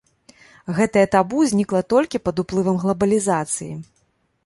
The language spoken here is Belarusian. Гэтае табу знікла толькі пад уплывам глабалізацыі.